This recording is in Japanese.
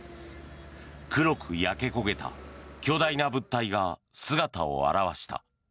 黒く焼け焦げた巨大な物体が姿を現した。